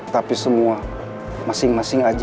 tapi semua masing masing aja